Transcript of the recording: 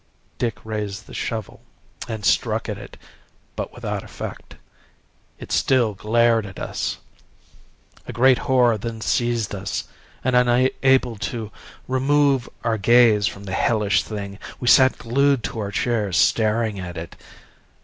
"Dick raised the shovel and struck at it, but without effect it still glared at us. A great horror then seized us, and unable to remove our gaze from the hellish thing, we sat glued to our chairs staring at it.